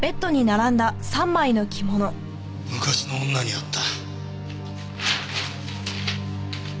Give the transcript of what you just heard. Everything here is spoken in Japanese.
昔の女に会った。